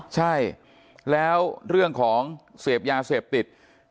ใช่แล้วเรื่องของเสพยาเสพติด